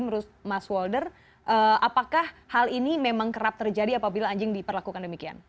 menurut mas walder apakah hal ini memang kerap terjadi apabila anjing diperlakukan demikian